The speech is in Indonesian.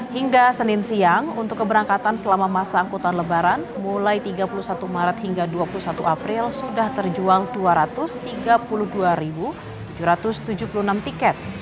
hingga senin siang untuk keberangkatan selama masa angkutan lebaran mulai tiga puluh satu maret hingga dua puluh satu april sudah terjual dua ratus tiga puluh dua tujuh ratus tujuh puluh enam tiket